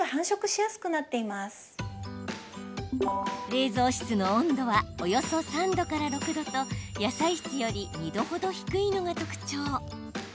冷蔵室の温度はおよそ３度から６度と野菜室より２度ほど低いのが特徴。